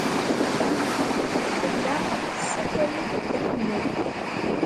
Tella tessakay-d Dda Ḥemmu.